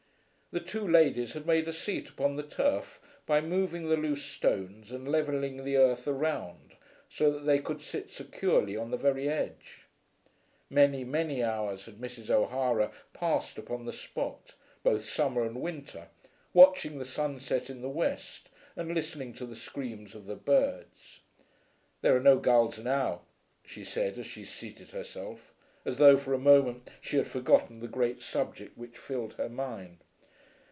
The two ladies had made a seat upon the turf, by moving the loose stones and levelling the earth around, so that they could sit securely on the very edge. Many many hours had Mrs. O'Hara passed upon the spot, both summer and winter, watching the sunset in the west, and listening to the screams of the birds. "There are no gulls now," she said as she seated herself, as though for a moment she had forgotten the great subject which filled her mind.